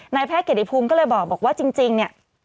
แพทย์เกียรติภูมิก็เลยบอกว่าจริงเนี่ย